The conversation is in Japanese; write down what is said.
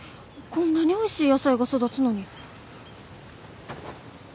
こんなにおいしい野菜が育つのに。